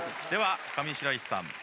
では上白石さん。